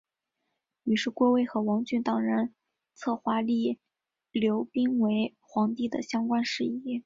于是郭威和王峻等人策划立刘赟为皇帝的相关事宜。